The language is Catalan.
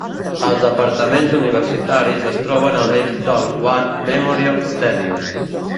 Els apartaments universitaris es troben a l'est del War Memorial Stadium.